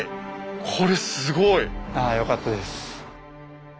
これすごい！ああよかったです。